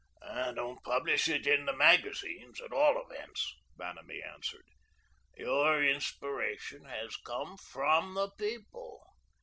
"Don't publish it in the magazines at all events," Vanamee answered. "Your inspiration has come FROM the People.